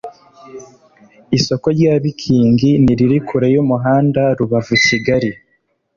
Isoko rya Bikingi ntiriri kure y’umuhanda Rubavu-Kigali